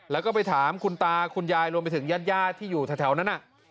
แล้วก็ไปถามคุณตาคุณยายรวมไปถึงญาติที่อยู่แถวนั้น